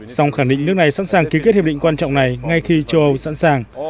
song khẳng định nước này sẵn sàng ký kết hiệp định quan trọng này ngay khi châu âu sẵn sàng